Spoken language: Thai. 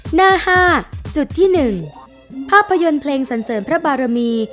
หน้า๕จุดที่๑ภาพยนตร์เพลงสันเสริมพระบารมี